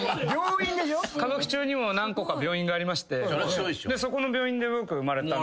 歌舞伎町にも何個か病院がありましてそこの病院で僕生まれた。